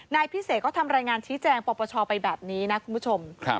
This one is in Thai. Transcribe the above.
นายพิเศษก็ทำรายงานชี้แจงปปชไปแบบนี้นะคุณผู้ชม